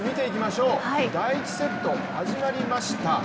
第１セット、始まりました。